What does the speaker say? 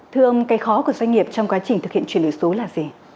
thưa ông cái khó của doanh nghiệp trong quá trình thực hiện chuyển đổi số là gì